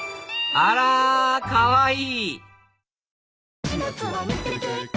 あらかわいい！